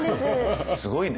すごいね。